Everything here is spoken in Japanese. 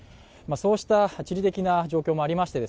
そうした地理的な状況もありまして